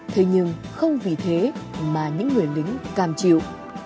thế nhưng không vì thế mà những người lính cam chịu